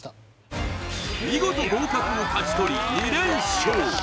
見事合格を勝ち取り２連勝